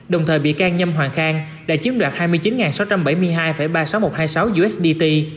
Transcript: đồng thời bị can nhâm hoàng khang đã chiếm đoạt hai mươi chín sáu trăm bảy mươi hai ba mươi sáu nghìn một trăm hai mươi sáu usd